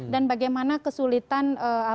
dan bagaimana kesulitan